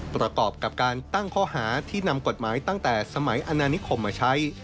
ประกอบกับการตั้งข้อหาที่นำกฎหมายตั้งแต่สมัยอนานิคมมาใช้